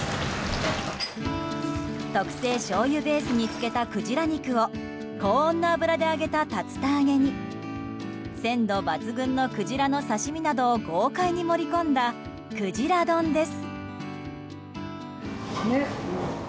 特製しょうゆベースに漬けたクジラ肉を高温の油で揚げた竜田揚げに鮮度抜群のクジラの刺し身などを豪快に盛り込んだくじら丼です。